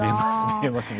見えますね。